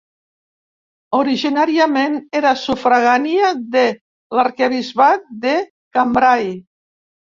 Originàriament era sufragània de l'arquebisbat de Cambrai.